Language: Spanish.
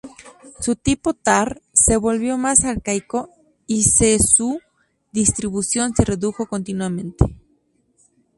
El tipo "tar-" se volvió más arcaico y se su distribución se redujo continuamente.